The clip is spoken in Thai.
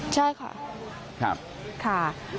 ใช่ค่ะ